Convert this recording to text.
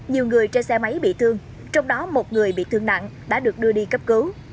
nhiều người trên xe máy bị thương trong đó một người bị thương nặng đã được đưa đi cấp cứu